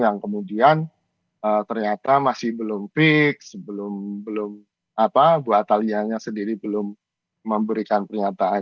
yang kemudian ternyata masih belum fix belum bu atalianya sendiri belum memberikan pernyataan